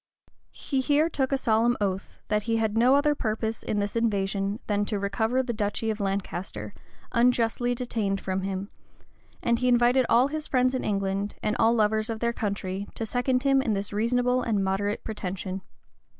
He here took a solemn oath, that he had no other purpose hi this invasion than to recover the duchy of Lancaster, unjustly detained from him; and he invited all his friends in England, and all lovers of their country, to second him in this reasonable and moderate pretension.